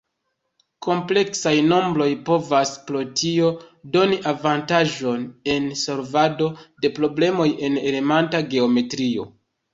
Kompleksaj nombroj povas pro tio doni avantaĝon en solvado de problemoj en elementa geometrio.